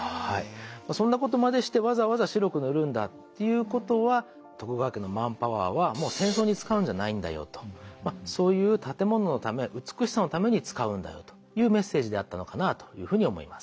そんなことまでしてわざわざ白く塗るんだっていうことは徳川家のマンパワーはもう戦争に使うんじゃないんだよとそういう建物のため美しさのために使うんだよというメッセージであったのかなというふうに思います。